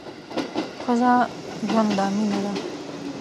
ښځه ژوند ده ، مینه ده